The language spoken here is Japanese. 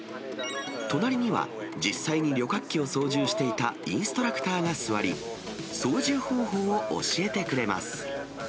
隣には、実際に旅客機を操縦していたインストラクターが座り、操縦方法を教えてくれます。